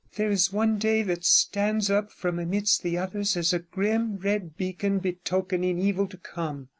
61 There is one day that stands up from amidst the others as a grim red beacon, betokening evil to come.